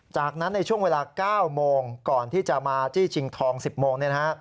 จากนั้นในช่วงเวลา๙โมงก่อนที่จะมาจี้ชิงทอง๑๐โมง